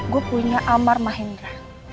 gue punya amar mahengira